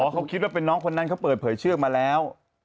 เขาคิดว่าเป็นน้องคนนั้นเขาเปิดเผยเชือกมาแล้ว